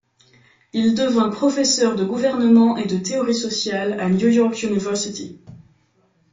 Il devint professeur de Gouvernement et de Théorie Sociale à New York University.